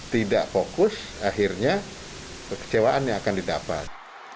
tidak fokus akhirnya kekecewaannya akan didapat